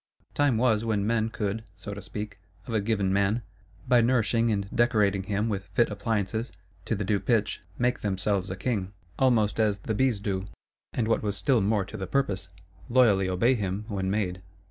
Time was when men could (so to speak) of a given man, by nourishing and decorating him with fit appliances, to the due pitch, make themselves a King, almost as the Bees do; and what was still more to the purpose, loyally obey him when made.